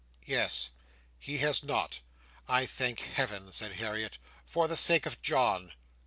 "Yes." "He has not." "I thank Heaven!" said Harriet. "For the sake of John."